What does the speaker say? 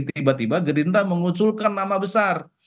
tiba tiba gerindra mengusulkan nama besar